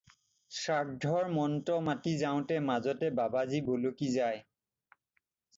শ্ৰাদ্ধৰ মন্ত্ৰ মাতি যাওঁতে মাজতে বাবাজী বলকি যায়।